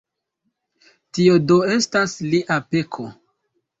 Tio do estas lia peko.